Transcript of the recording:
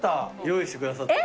用意してくださった。